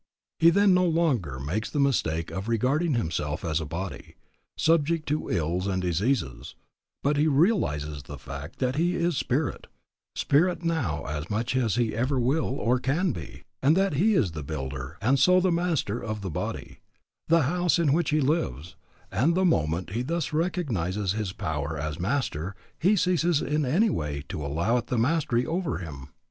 He then no longer makes the mistake of regarding himself as body, subject to ills and diseases, but he realizes the fact that he is spirit, spirit now as much as he ever will or can be, and that he is the builder and so the master of the body, the house in which he lives; and the moment he thus recognizes his power as master he ceases in any way to allow it the mastery over him.